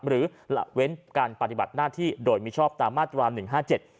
หรือเหละเว้นการปฏิบัติหน้าที่โดยมิชอบตามมาตรวจ๑๕๗